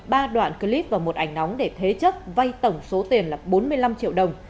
ba đoạn clip và một ảnh nóng để thế chấp vay tổng số tiền là bốn mươi năm triệu đồng